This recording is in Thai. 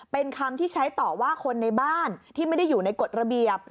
เป็นคำที่ใช้ต่อว่าคนในบ้านที่ไม่ได้อยู่ในกฎระเบียบ